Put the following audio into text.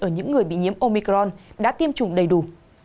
ở những người bị nhiễm omicron đã tiêm chủng đầy đủ